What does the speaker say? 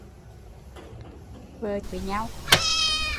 Vợ chồng cả ngày cứ đấu khẩu với nhau